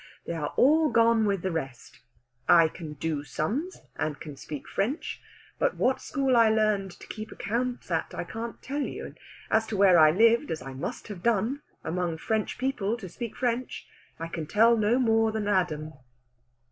They are all gone with the rest. I can do sums, and can speak French, but what school I learned to keep accounts at I can't tell you; and as to where I lived (as I must have done) among French people to speak French, I can tell no more than Adam."